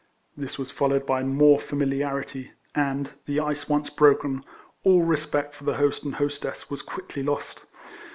This was followed by more familiarity, and, the ice once broken, all respect for the host and hostess was quickly lost.